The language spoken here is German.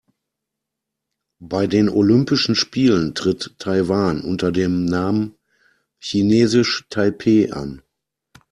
Bei den Olympischen Spielen tritt Taiwan unter dem Namen „Chinesisch Taipeh“ an.